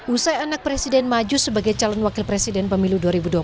usai anak presiden maju sebagai calon wakil presiden pemilu dua ribu dua puluh